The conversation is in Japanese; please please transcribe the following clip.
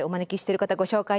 ご紹介いたします。